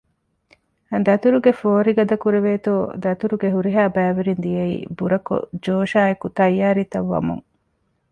ދަތުރުގެ ފޯރި ގަދަކުރެވޭތޯ ދަތުރުގެ ހުރިހާ ބައިވެރިން ދިޔައީ ބުރަކޮށް ޖޯޝާއެކު ތައްޔާރީ ތައް ވަމުން